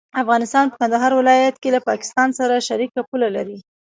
افغانستان په کندهار ولايت کې له پاکستان سره شریکه پوله لري.